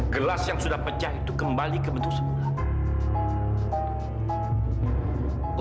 gelas yang sudah pecah itu kembali ke bentuk semula